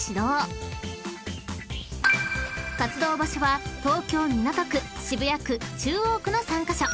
［活動場所は東京港区渋谷区中央区の３カ所］